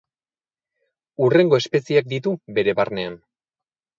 Hurrengo espezieak ditu bere barnean.